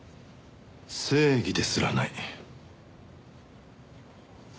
正義ですらない。